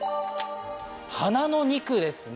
花の２区ですね。